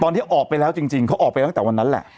ที่ออกไปแล้วจริงเขาออกไปตั้งแต่วันนั้นแหละ